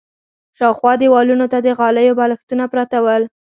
شاوخوا دېوالونو ته د غالیو بالښتونه پراته ول.